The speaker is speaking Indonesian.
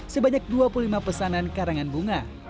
sebanyak dua puluh lima pesanan karangan bunga